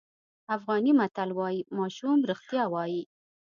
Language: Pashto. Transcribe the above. افغاني متل وایي ماشوم رښتیا وایي.